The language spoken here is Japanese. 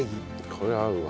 これ合うわ。